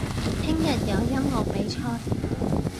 聽日有音樂比賽